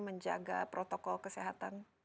menjaga protokol kesehatan